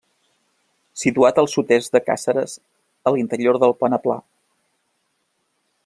Situat al sud-est de Càceres, a l’interior del peneplà.